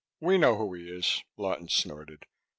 "We know who he is," Lawton snorted.